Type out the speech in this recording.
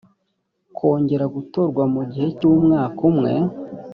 kongera gutorwa mu gihe cy umwaka umwe